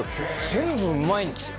全部うまいんですよ